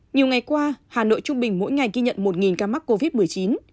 nhiều ngày qua hà nội trung bình mỗi ngày ghi nhận một ca mắc covid một mươi chín